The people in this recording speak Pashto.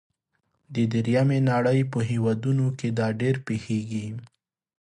د دریمې نړۍ په هیوادونو کې دا ډیر پیښیږي.